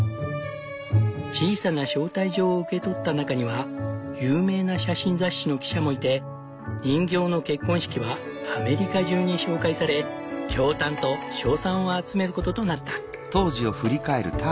小さな招待状を受け取った中には有名な写真雑誌の記者もいて人形の結婚式はアメリカ中に紹介され驚嘆と称賛を集めることとなった。